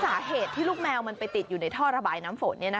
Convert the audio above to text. สาเหตุที่ลูกแมวมันไปติดอยู่ในท่อระบายน้ำฝน